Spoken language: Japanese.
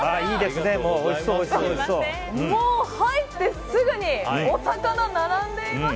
もう、入ってすぐにお魚が並んでいます。